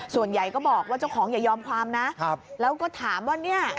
ส่วนใหญ่ก็บอกว่าเจ้าของอย่ายอมความนะแล้วก็ถามว่าเนี่ย